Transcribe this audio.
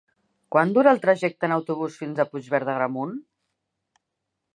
Quant dura el trajecte en autobús fins a Puigverd d'Agramunt?